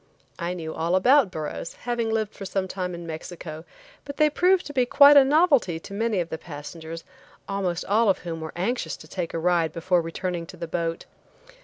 I knew all about burros, having lived for some time in Mexico, but they proved to be quite a novelty to many of the passengers, almost all of whom were anxious to take a ride before returning to the boat.